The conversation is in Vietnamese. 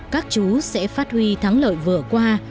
các chú sẽ phát huy thắng lợi vừa qua